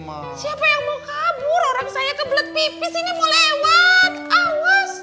siapa yang mau kabur orang saya kebelet bipis ini mau lewat awas